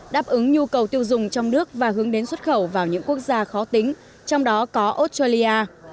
đáp ứng nhu cầu tiêu dùng trong nước và hướng đến xuất khẩu vào những quốc gia khó tính trong đó có australia